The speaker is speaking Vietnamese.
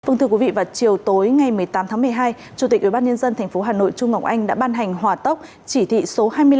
vâng thưa quý vị vào chiều tối ngày một mươi tám tháng một mươi hai chủ tịch ubnd tp hà nội trung ngọc anh đã ban hành hòa tốc chỉ thị số hai mươi năm